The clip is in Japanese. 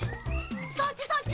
そっちそっち！